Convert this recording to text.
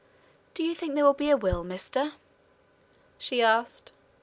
"Do you think there's a will, mister?" she asked.